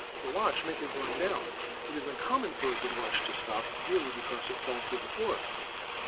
The watch may have run down. It is uncommon for a good watch to stop, merely because it falls to the floor."